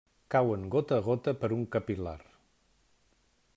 Cauen gota a gota per un capil·lar.